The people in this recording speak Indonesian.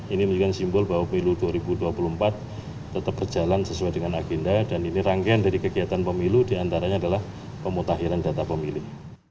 ini menunjukkan simbol bahwa pemilu dua ribu dua puluh empat tetap berjalan sesuai dengan agenda dan ini rangkaian dari kegiatan pemilu diantaranya adalah pemutahiran data pemilih